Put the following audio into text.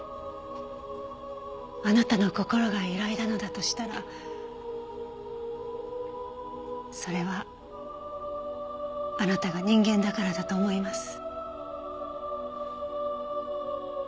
あなたの心が揺らいだのだとしたらそれはあなたが人間だからだと思います。